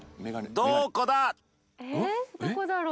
どこだろう？